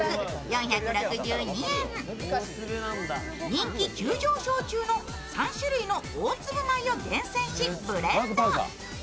人気急上昇中の３種類の大粒米を厳選しブレンド。